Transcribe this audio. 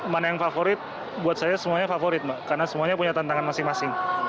mana yang favorit buat saya semuanya favorit mbak karena semuanya punya tantangan masing masing